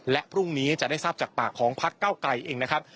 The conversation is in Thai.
และพรุ่งนี้จะได้ทราบจากปากของพักเก้าไกรเองนะครับ